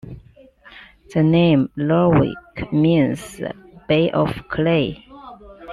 The name "Lerwick" means "bay of clay".